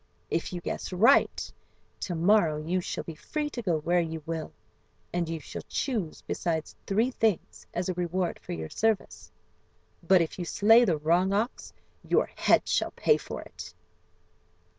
If you guess right, to morrow you shall be free to go where you will, and you shall choose besides three things as a reward for your service. But if you slay the wrong ox your head shall pay for it."